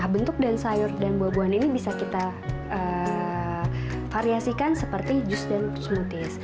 bentuk dan sayur dan buah buahan ini bisa kita variasikan seperti jus dan smoothies